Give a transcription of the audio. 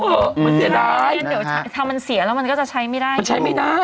เดี๋ยวถ้ามันเสียแล้วมันก็จะใช้ไม่ได้ใช้ไม่ได้